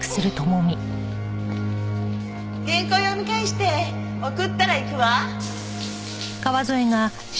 原稿を読み返して送ったら行くわ。